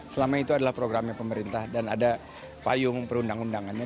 selama itu adalah programnya pemerintah dan ada payung perundang undangannya